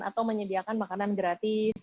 atau menyediakan makanan gratis